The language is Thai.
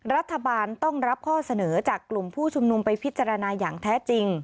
รัฐบาลต้องรับข้อเสนอจากกลุ่มผู้ชุมนุมไปพิจารณาอย่างแท้จริง